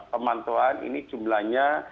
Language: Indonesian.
pemantuan ini jumlahnya